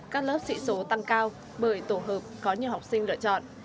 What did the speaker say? các lớp sĩ số tăng cao bởi tổ hợp có nhiều học sinh lựa chọn